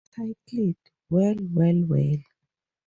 Titled, Well, Well, Well!